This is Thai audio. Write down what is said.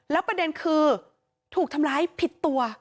แล้วประเด็นคือถูกทำร้ายผิดตัว